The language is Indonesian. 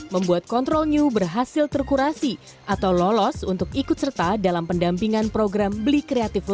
membuat kontrol new berhasil terkurasi atau lolos untuk ikut serta dalam pendampingan program beli kreatif lokal